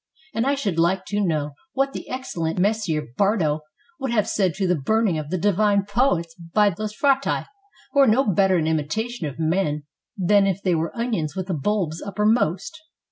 And I should like to know what the excellent Messer Bardo would have said to the burning of the divine poets by these Frati, who are no better an imitation of men than if they were onions with the bulbs uppermost.